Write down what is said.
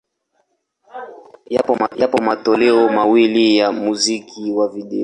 Yapo matoleo mawili ya muziki wa video.